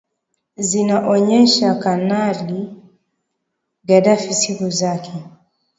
zinaonyesha kanali gaddafi siku zake